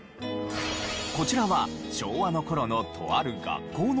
こちらは昭和の頃のとある学校の様子。